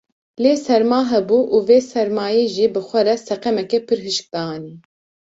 Lê serma hebû û vê sermayê jî bi xwe re seqemeke pir hişk dianî.